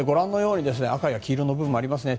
赤や黄色の部分もあります。